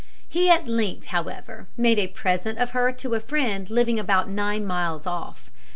He at length, however, made a present of her to a friend living about nine miles off.